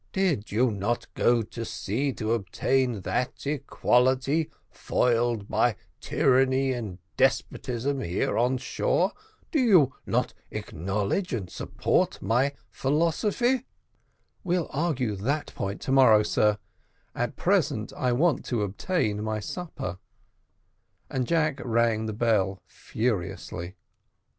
Did you not go to sea to obtain that equality foiled by tyranny and despotism here on shore? Do you not acknowledge and support my philosophy?" "We'll argue that point to morrow, sir at present I want to obtain my supper;" and Jack rang the bell furiously.